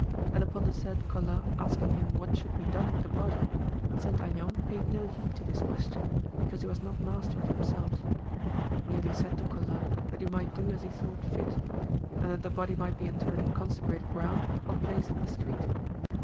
And upon the said Colas asking him what should be done with the body, St. Aignan paid no heed to this question, because he was not master of himself; but merely said to Colas that he might do as he thought fit, and that the body might be interred in consecrated ground or placed in the street.